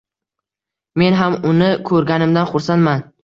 Men ham uni ko`rganimdan xursandman